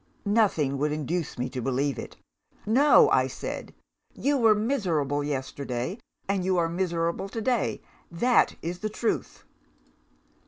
"Nothing would induce me to believe it. 'No,' I said. 'You were miserable yesterday, and you are miserable to day. That is the truth!